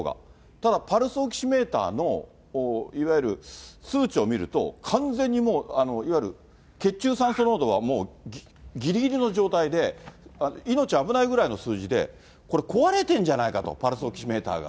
ただ、パルスオキシメーターのいわゆる数値を見ると、完全にもう、いわゆる血中酸素濃度は、もうぎりぎりの状態で、命危ないぐらいの数字で、これ、壊れてんじゃないかと、パルスオキシメーターが。